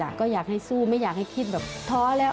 ก็อยากให้สู้ไม่อยากให้คิดแบบท้อแล้ว